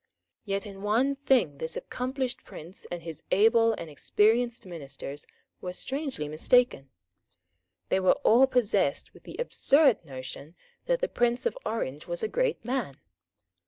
Yet in one thing this accomplished prince and his able and experienced ministers were strangely mistaken. They were all possessed with the absurd notion that the Prince of Orange was a great man.